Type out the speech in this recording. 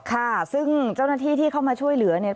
ค่ะซึ่งเจ้าหน้าที่ที่เข้ามาช่วยเหลือเนี่ย